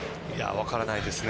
分からないですね。